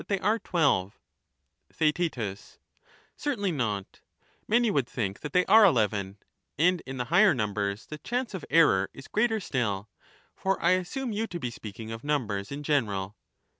Theaet, Certainly not; many would think that they are eleven, and in the higher numbers the chance of error is greater still ; for I assume you to be speaking of numbers in general.